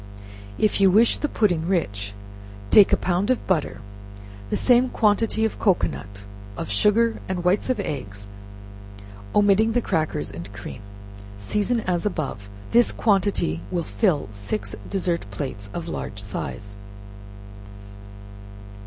If you wish the pudding rich, take a pound of butter, the same quantity of cocoanut, of sugar and whites of eggs, omitting the crackers and cream. Season as above. This quantity will fill six dessert plates of large size.